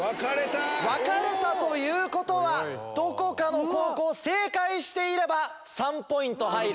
分かれたということはどこかの高校正解していれば３ポイント入る。